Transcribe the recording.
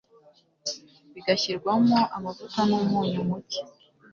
bigashyirwamo amavuta numunyu muke